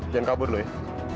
jangan kabur louis